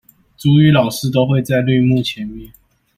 族語老師都會在綠幕前面